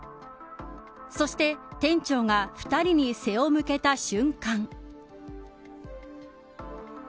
そして、店長が２人に背を向けた瞬間。